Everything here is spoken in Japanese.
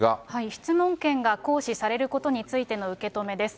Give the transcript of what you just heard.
質問権が行使されることについての受け止めです。